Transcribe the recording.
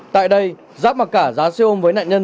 tại đây giáp mặc cả giá xe ôm với nạn nhân về